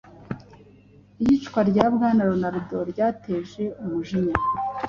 Iyicwa rya Bwana Lormand ryateje umujinya